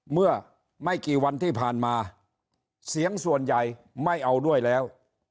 เมื่อไม่กี่วันที่ผ่านมาเสียงส่วนใหญ่ไม่เอาด้วยแล้ว